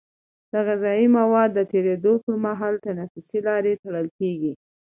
د غذایي موادو د تیرېدلو پر مهال تنفسي لاره تړل کېږي.